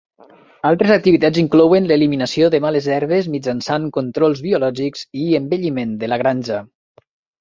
Altres activitats inclouen l'eliminació de males herbes mitjançant controls biològics i embelliment de la granja.